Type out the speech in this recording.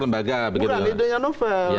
bukan idenya novel